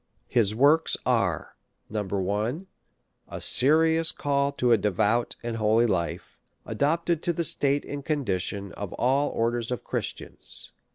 His works are, L A Serious Call to a Devout and Holy Life, adapted to the State and Condition of all Orders of Christians.